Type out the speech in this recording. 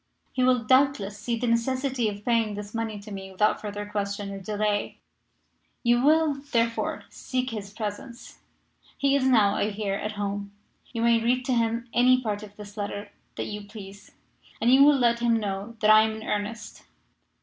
He will, doubtless, see the necessity of paying this money to me without further question or delay. "You will, therefore, seek his presence he is now, I hear, at home. You may read to him any part of this letter that you please, and you will let him know that I am in earnest.